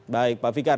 baik pak fikar